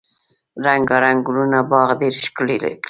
رنګارنګ ګلونه باغ ډیر ښکلی کړی.